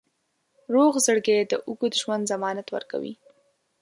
روغ زړګی د اوږد ژوند ضمانت ورکوي.